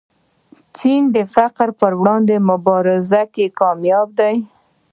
چین د فقر پر وړاندې مبارزه کې بریالی دی.